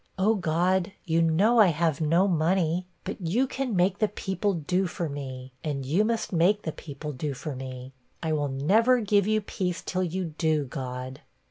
'Oh, God, you know I have no money, but you can make the people do for me, and you must make the people do for me. I will never give you peace till you do, God.'